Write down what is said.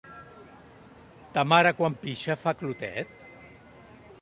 Ta mare quan pixa fa clotet?